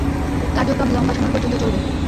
কার্যক্রম লম্বা সময় পর্যন্ত চলবে।